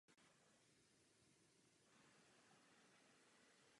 Bishop byl postaven na podvozku tanku Valentine.